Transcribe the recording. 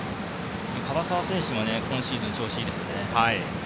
樺沢選手も今シーズン調子がいいですね。